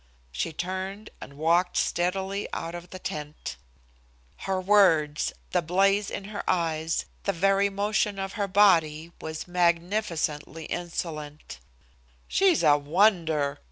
She turned and walked steadily out of the tent. Her words, the blaze in her eyes, the very motion of her body, was magnificently insolent. "She's a wonder!"